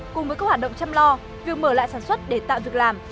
cùng với các hoạt động chăm lo việc mở lại sản xuất để tạo việc làm